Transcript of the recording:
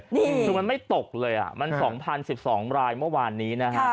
ถึงมันไม่ตกเลยอะมัน๒๐๐๐ยาว๑๒ลายเมื่อวานนี้นะครับ